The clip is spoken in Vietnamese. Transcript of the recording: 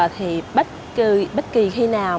thì bất kỳ khi nào